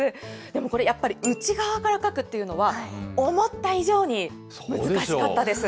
でもこれ、やっぱり内側から描くっていうのは、思った以上に難しかったです。